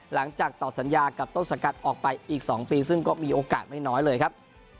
หลังจากต่อสัญญากับต้นสังกัดออกไปอีก๒ปีซึ่งก็มีโอกาสไม่น้อยเลยครับ